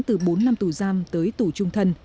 từ bốn năm tù giam tới tù trung thân